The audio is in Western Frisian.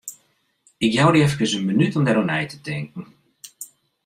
Ik jou dy efkes in minút om dêroer nei te tinken.